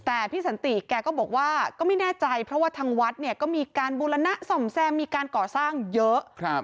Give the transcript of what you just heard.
แต่พี่สันติแกก็บอกว่าก็ไม่แน่ใจเพราะว่าทางวัดเนี่ยก็มีการบูรณะส่อมแซมมีการก่อสร้างเยอะ